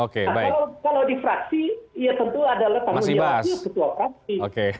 kalau di fraksi ya tentu adalah tanggung jawabnya ketua fraksi